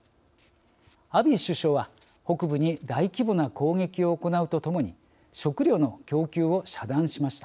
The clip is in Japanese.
アビー首相は北部に大規模な攻撃を行うとともに食料の供給を遮断しました。